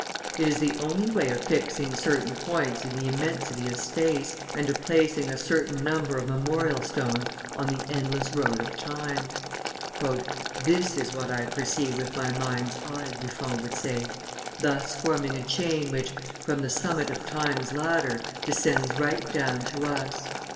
It is the only way of fixing certain points in the immensity of space, and of placing a certain number of memorial stones on the endless road of time." "This is what I perceive with my mind's eye," Buffon would say, "thus forming a chain which, from the summit of Time's ladder, descends right down to us."